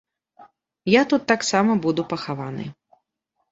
Я тут таксама буду пахаваны.